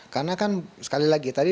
karena kan sekali lagi